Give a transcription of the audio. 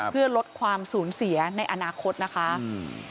เพื่อลดความสูญเสียในอนาคตนะคะอืม